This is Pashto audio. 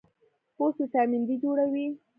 پوست وټامین ډي جوړوي.